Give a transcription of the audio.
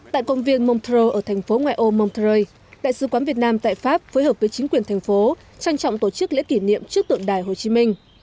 tại công viên montreal ở thành phố ngoại ô montreux đại sứ quán việt nam tại pháp phối hợp với chính quyền thành phố trang trọng tổ chức lễ kỷ niệm trước tượng đài hồ chí minh